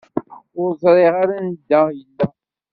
Ur ẓriɣ ara anda yella.